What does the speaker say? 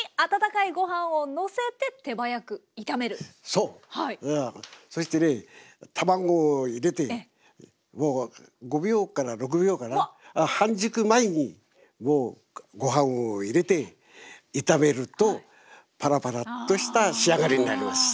そうそしてね卵を入れて５秒から６秒かな半熟前にもうご飯を入れて炒めるとパラパラッとした仕上がりになります。